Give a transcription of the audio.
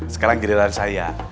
sekarang jadilah saya